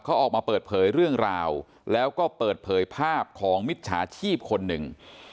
เขาออกมาเปิดเผยเรื่องราวแล้วก็เปิดเผยภาพของมิจฉาชีพคนหนึ่ง